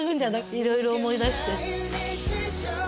いろいろ思い出して。